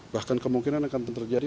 bahkan kemungkinan akan terjadi